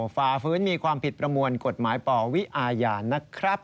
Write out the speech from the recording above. ฝ่าฟื้นมีความผิดประมวลกฎหมายปวิอาญานะครับ